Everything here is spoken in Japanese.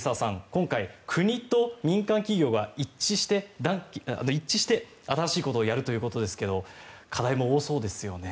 今回、国と民間企業が一致して新しいことをやるということですが課題も多そうですよね。